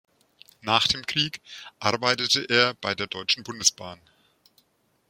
Nach dem Krieg arbeitete er bei der Deutschen Bundesbahn.